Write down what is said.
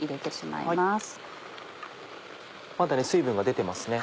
まだ水分が出てますね。